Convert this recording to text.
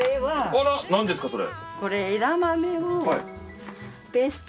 あら何ですかそれ？